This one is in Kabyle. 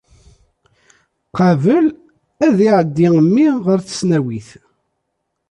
Qabel, ad iɛeddi mmi ɣer tesnawit.